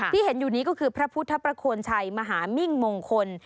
ที่เห็นอยู่นี้ก็คือพระพุทธประโคนชัยมหามิ่งมงคล